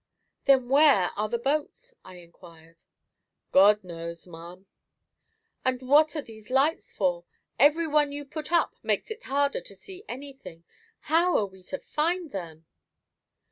"Then where are the boats?" I inquired. "God knows, ma'am." "And what are these lights for? Every one you put up makes it harder to see anything. How are we to find them?"